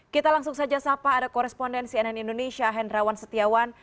kita langsung saja sapa ada korespondensi nn indonesia hendrawan setiawan